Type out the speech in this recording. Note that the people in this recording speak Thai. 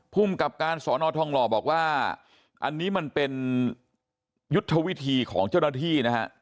ภูมิกับการสอนอทองหล่อบอกว่าอันนี้มันเป็นยุทธวิธีของเจ้าหน้าที่นะฮะ